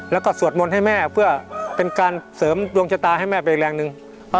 แล้วก็สวดมนต์ให้แม่เพื่อเป็นการเสริมดวงชะตาให้แม่ไปอีกแรงหนึ่ง